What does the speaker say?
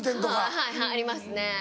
はいはいありますね。